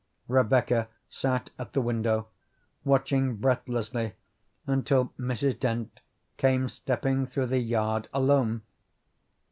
Rebecca sat at the window watching breathlessly until Mrs. Dent came stepping through the yard alone.